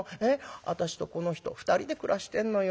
私とこの人２人で暮らしてんのよ。